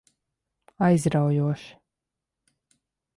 Aizraujoši.